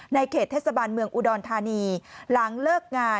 เขตเทศบาลเมืองอุดรธานีหลังเลิกงาน